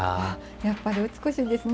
やっぱり美しいですね。